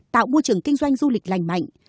tạo môi trường kinh doanh du lịch lành mạnh